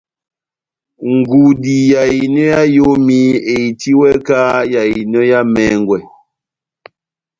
Ngudi ya ehinɔ ya eyomi ehitiwɛ kahá yá ehinɔ yá emɛngwɛ